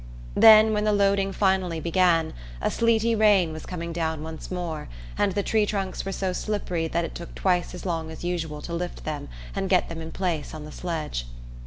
Then, when the loading finally began, a sleety rain was coming down once more, and the tree trunks were so slippery that it took twice as long as usual to lift them and get them in place on the sledge.